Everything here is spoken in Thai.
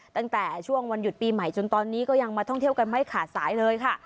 ตั้งแต่ช่วงวันหยุดปีใหม่จนตอนนี้ก็ยังมาท่องเที่ยวกันไม่ขาดสายเลยค่ะ